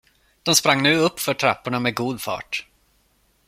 De sprang nu uppför trapporna med god fart.